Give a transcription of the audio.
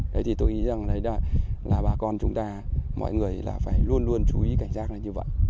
thế thì tôi nghĩ rằng là bà con chúng ta mọi người là phải luôn luôn chú ý cảnh giác như vậy